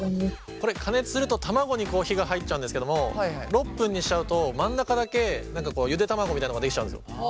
これ加熱すると卵にこう火が入っちゃうんですけども６分にしちゃうと真ん中だけ何かこうゆで卵みたいなのができちゃうんですよ。